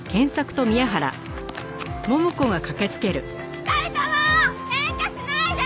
２人とも喧嘩しないで！